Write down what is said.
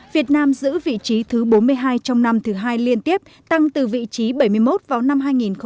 việt nam giữ vị trí thứ bốn mươi hai trong năm thứ hai liên tiếp tăng từ vị trí bảy mươi một vào năm hai nghìn một mươi